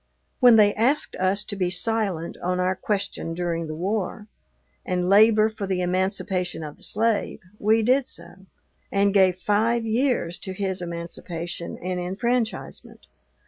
When they asked us to be silent on our question during the War, and labor for the emancipation of the slave, we did so, and gave five years to his emancipation and enfranchisement.